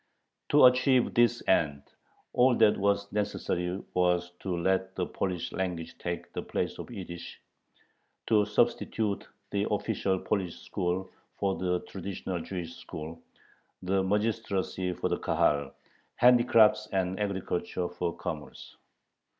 To achieve this end, all that was necessary was to let the Polish language take the place of Yiddish, to substitute the official Polish school for the traditional Jewish school, the magistracy for the Kahal, handicrafts and agriculture for commerce.